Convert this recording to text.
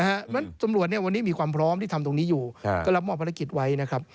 เพราะฉะนั้นตำรวจวันนี้มีความพร้อมที่ทำตรงนี้อยู่ก็รับมอบภารกิจไว้นะครับ